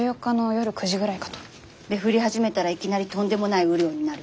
で降り始めたらいきなりとんでもない雨量になる？